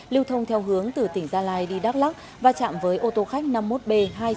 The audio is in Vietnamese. lưu thông theo hướng từ tỉnh gia lai đi đắk lắc và chạm với ô tô khách năm mươi một b hai mươi chín nghìn bốn trăm tám mươi chín